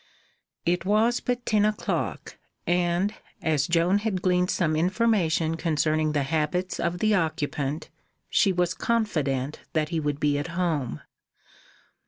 It was but ten o'clock, and, as Joan had gleaned some information concerning the habits of the occupant, she was confident that he would be at home.